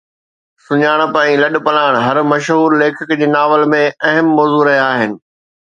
سڃاڻپ ۽ لڏپلاڻ هر مشهور ليکڪ جي ناول ۾ اهم موضوع رهيا آهن